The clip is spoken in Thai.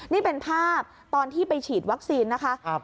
นี่เป็นภาพตอนที่ไปฉีดวัคซีนนะคะ